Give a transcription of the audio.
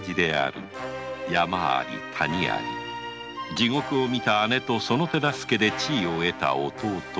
地獄を見た姉とその手助けで地位を得た弟。